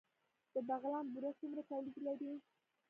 د بغلان بوره څومره تولید لري؟